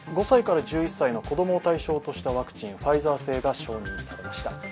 ５歳から１１歳の子供を対象にしたワクチン、ファイザー製が承認されました。